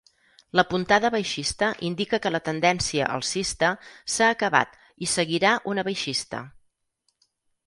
La puntada baixista indica que la tendència alcista s'ha acabat i seguirà una baixista.